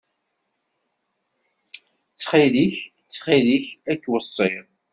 Ttxil-k, ttxil-k ad k-weṣṣiɣ.